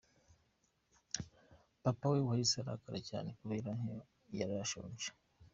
Papa we yahise arakara cyane kubera yari yashonje.